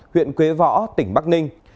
huyện quế võ tỉnh bắc ninh